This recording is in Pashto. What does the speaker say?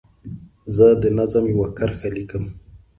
زه د نظم یوه کرښه لیکم.